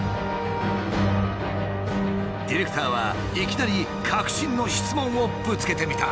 ディレクターはいきなり核心の質問をぶつけてみた。